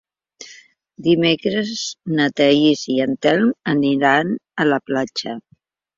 Dimecres na Thaís i en Telm aniran a la platja.